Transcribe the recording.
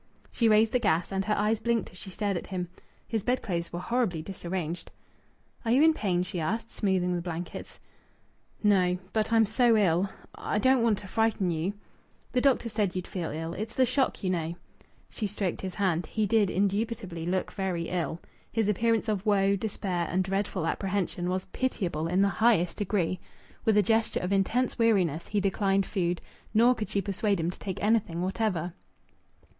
She raised the gas, and her eyes blinked as she stared at him. His bedclothes were horribly disarranged. "Are you in pain?" she asked, smoothing the blankets. "No. But I'm so ill. I I don't want to frighten you " "The doctor said you'd feel ill. It's the shock, you know." She stroked his hand. He did indubitably look very ill. His appearance of woe, despair, and dreadful apprehension was pitiable in the highest degree. With a gesture of intense weariness he declined food, nor could she persuade him to take anything whatever.